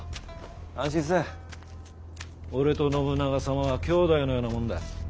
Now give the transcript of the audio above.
安心せい俺と信長様は兄弟のようなもんだ。